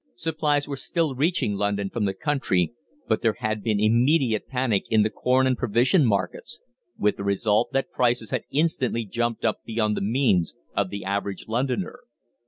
Supplies were still reaching London from the country, but there had been immediate panic in the corn and provision markets, with the result that prices had instantly jumped up beyond the means of the average Londoner.